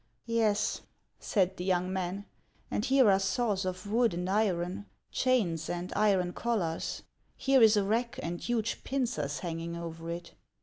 " Yes," said the young man, " and here are saws of wood and iron, chains and iron collars ; here is a rack, and huge pincers hanging over it."